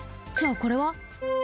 じゃあこれは？